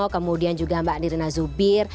kemudian juga mbak andirina zubal